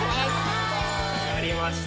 やりました。